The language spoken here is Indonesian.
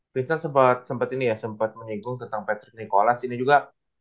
vincent sempet ini ya sempet menyegung tentang patrick nicholas ini juga